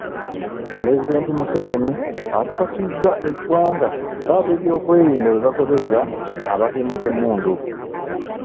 Pulezidenti Museveni akakasizza eggwanga ng’abeebyokwerinda bwe bagoberera abatemu b’emmundu.